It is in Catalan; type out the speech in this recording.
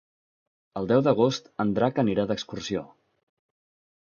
El deu d'agost en Drac anirà d'excursió.